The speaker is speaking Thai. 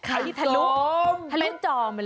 คำทัณฑ์ทรม